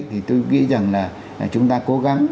thì tôi nghĩ rằng là chúng ta cố gắng